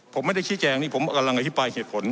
ผมไม่ได้ชี้แจงนี่ผมกำลังอธิบายเหตุผล